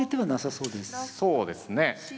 そうですね。